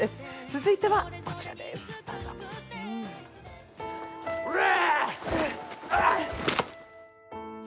続いてはこちらです、どうぞ。